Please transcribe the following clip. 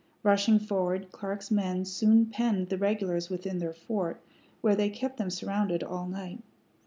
Rushing forward, Clark's men soon penned the regulars within their fort, where they kept them surrounded all night.